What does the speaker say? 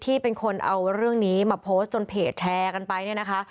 ที่เป็นคนเอาเรื่องนี้มาโพสต์จนเพจแชร์กันไปเนี่ยนะคะ